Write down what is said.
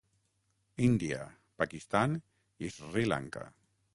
Índia, Pakistan i Sri Lanka.